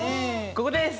ここです！